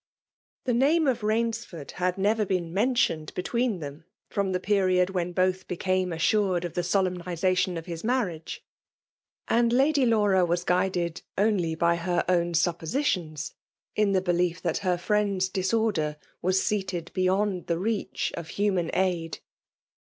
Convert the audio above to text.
The name of Boimftird had never been meiitianed be tween them irom the period when both became asftUred of the solemnitation of his manriage, tind Lady Laura was guided only by her own suppositions, in tho belief that her friend^s disordet was seated beyond the reach of Ucnnan aid.